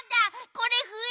これふえ？